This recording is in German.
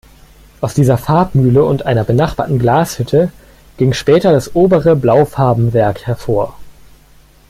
Aus dieser Farbmühle und einer benachbarten Glashütte ging später das Obere Blaufarbenwerk hervor.